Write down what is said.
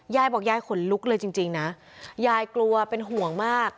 ยายบอกยายขนลุกเลยจริงนะยายกลัวเป็นห่วงมาก